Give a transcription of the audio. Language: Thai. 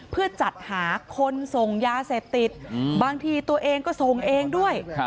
เพื่อจัดหาคนส่งยาเสพติดบางทีตัวเองก็ส่งเองด้วย